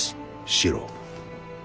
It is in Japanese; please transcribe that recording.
四郎。